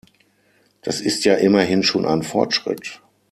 Das ist ja immerhin schon ein Fortschritt.